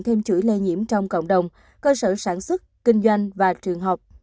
thêm chuỗi lây nhiễm trong cộng đồng cơ sở sản xuất kinh doanh và trường học